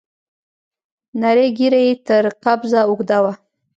نرۍ ږيره يې تر قبضه اوږده وه.